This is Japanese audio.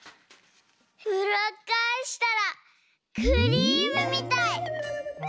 うらっかえしたらクリームみたい！